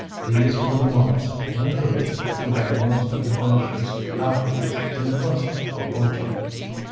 MEDARD These were the ones, in truth, who had the most adventures afterwards in the quest for fortune.